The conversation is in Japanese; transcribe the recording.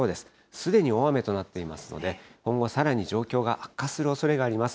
すでに大雨となっていますので、今後さらに状況が悪化するおそれがあります。